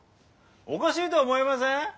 おかしいと思いません？